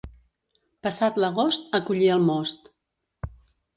Passat l'agost, a collir el most.